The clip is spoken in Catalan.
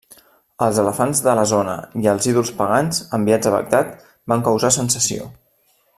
Els elefants de la zona i els ídols pagans, enviats a Bagdad, van causar sensació.